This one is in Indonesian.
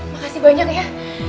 makasih banyak ya